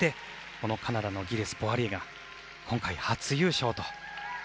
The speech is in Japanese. このカナダのギレス、ポワリエが今回、初優勝と。